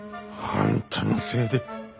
あんたのせいで。